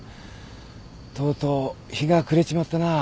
とうとう日が暮れちまったなあ。